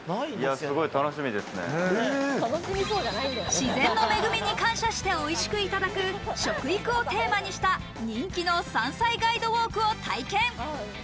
自然の恵みに感謝しておいしくいただく食育をテーマにした、人気の山菜ガイドウォークを体験。